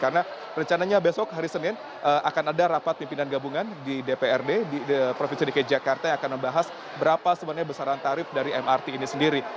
karena rencananya besok hari senin akan ada rapat pimpinan gabungan di dprd provinsi dki jakarta yang akan membahas berapa sebenarnya besaran tarif dari mrt ini sendiri